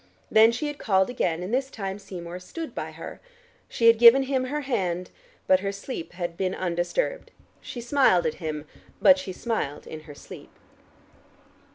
Then she had called again, and this time Seymour stood by her. She had given him her hand, but her sleep had been undisturbed. She smiled at him, but she smiled in her sleep.